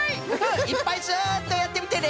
いっぱいスッとやってみてね！